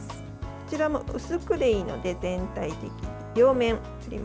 こちらも薄くでいいので全体的に両面振ります。